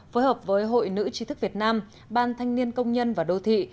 phối hợp với hội nữ chí thức việt nam ban thanh niên công nhân và đô thị